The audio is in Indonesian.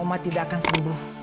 oma tidak akan sembuh